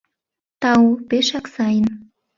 — Тау, пешак сайын.